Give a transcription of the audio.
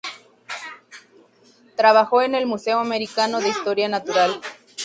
Trabajó en el Museo Americano de Historia Natural.